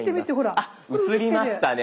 あっ写りましたね。